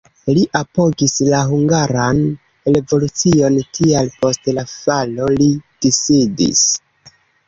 Li apogis la Hungaran revolucion, tial post la falo li disidis.